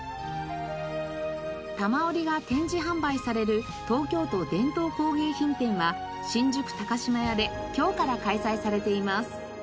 多摩織が展示販売される東京都伝統工芸品展は新宿島屋で今日から開催されています。